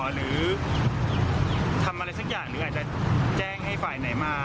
หรือทำอะไรสักอย่างหรืออาจจะแจ้งให้ฝ่ายไหนมา